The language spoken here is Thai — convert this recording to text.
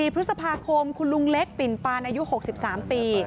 ๔พฤษภาคมคุณลุงเล็กปิ่นปานอายุ๖๓ปี